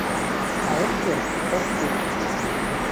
А от керт — ок кӱл.